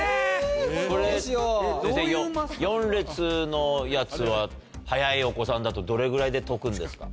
これ先生４列のやつは早いお子さんだとどれぐらいで解くんですか？